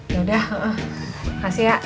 yaudah kasih ya